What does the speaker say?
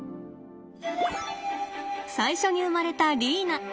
最初に生まれたリーナ。